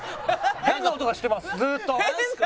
変な音がしてます